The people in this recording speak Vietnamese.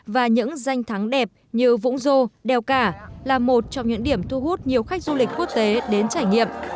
và những danh thắng đẹp như vũng dô đèo cả là một trong những điểm thu hút nhiều khách du lịch quốc tế đến trải nghiệm